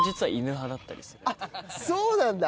あっそうなんだ。